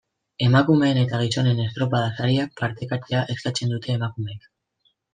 Emakumeen eta gizonen estropada-sariak parekatzea eskatzen dute emakumeek.